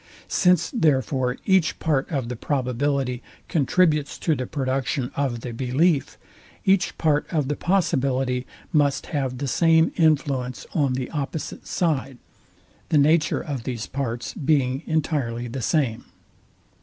Since therefore each part of the probability contributes to the production of the belief, each part of the possibility must have the same influence on the opposite side; the nature of these parts being entirely the same.